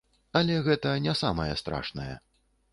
Але гэта не самае страшнае.